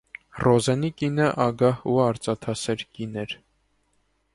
Ռոզենի կինը ագահ ու արծաթասեր կին էր։